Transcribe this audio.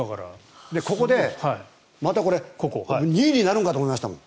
ここで２位になるかと思いましたもん。